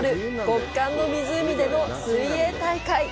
極寒の湖での水泳大会。